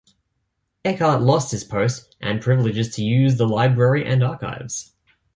Eckart lost his post and privileges to use the library and archives.